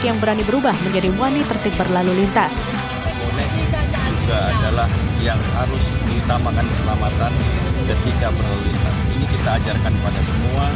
yang berani berubah menjadi wanita tertib berlalu lintas